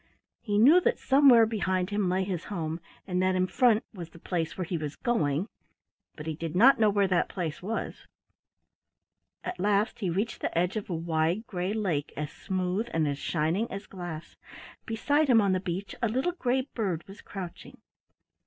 He knew that somewhere behind him lay his home, and that in front was the place where he was going, but he did not know what that place was. At last he reached the edge of a wide gray lake as smooth and as shining as glass. Beside him on the beach a little gray bird was crouching.